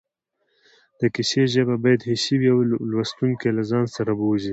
د کیسې ژبه باید حسي وي او لوستونکی له ځان سره بوځي